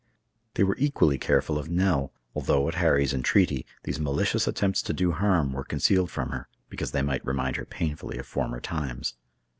They were equally careful of Nell, although, at Harry's entreaty, these malicious attempts to do harm were concealed from her, because they might remind her painfully of former times.